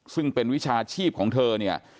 ซึ่งเป็นวิชาอาชีพของเธอ